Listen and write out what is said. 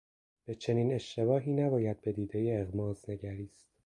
به چنین اشتباهی نباید بدیدهٔ اغماض نگریست.